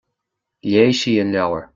Léigh sí an leabhar.